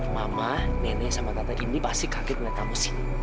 mama nenek sama tata indi pasti kaget melihat kamu sini